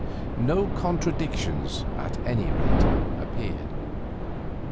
No contradictions, at any rate, appeared.